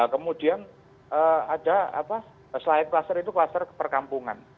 kemudian ada selain klaster itu klaster perkampungan